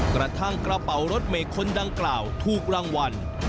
กระทั่งกระเป๋ารถเมย์คนดังกล่าวถูกรางวัล